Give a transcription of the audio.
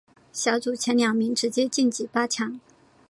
小组前两名直接晋级八强。